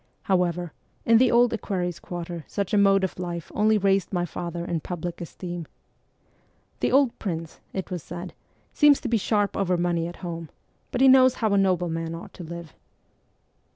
However, in the Old Equerries' Quarter such a mode of life only raised my father in public esteem. ' The old prince,' it was said, ' seems to be sharp over money at home ; but he knows how a nobleman ought to live.'